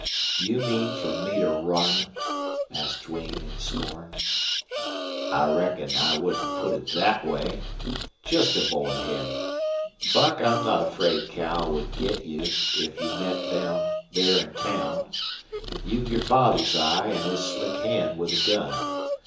"You mean for me to run?" asked Duane, in scorn. "I reckon I wouldn't put it that way. Just avoid him. Buck, I'm not afraid Cal would get you if you met down there in town. You've your father's eye an' his slick hand with a gun.